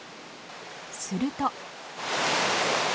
すると。